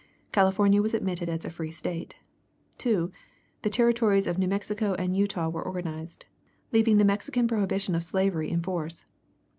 California was admitted as a free State. 2. The Territories of New Mexico and Utah were organized, leaving the Mexican prohibition of slavery in force.